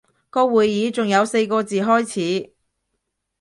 個會議仲有四個字開始